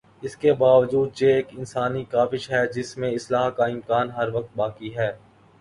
اس کے باوجود یہ ایک انسانی کاوش ہے جس میں اصلاح کا امکان ہر وقت باقی ہے۔